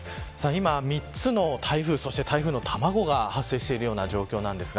今、３つの台風台風の卵が発生している状況です。